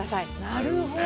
なるほど。